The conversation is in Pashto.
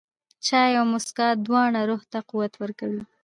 چای او موسکا، دواړه روح ته قوت ورکوي.